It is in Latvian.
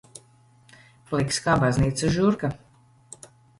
Pliks kā baznīcas žurka.